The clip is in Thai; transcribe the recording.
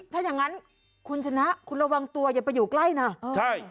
ถ้าอย่างงั้นคุณชนะคุณระวังตัวอย่าไปอยู่ใกล้นะใช่